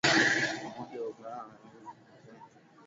umoja wa ulaya ya eu umesema hatimaye kwa mara kwanza